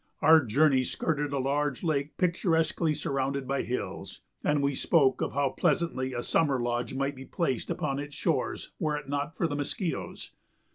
Our journey skirted a large lake picturesquely surrounded by hills, and we spoke of how pleasantly a summer lodge might be placed upon its shores were it not for the mosquitoes.